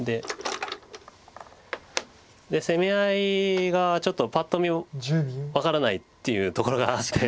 攻め合いがちょっとパッと見分からないっていうところがあって。